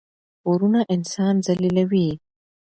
پورونه انسان ذلیلوي.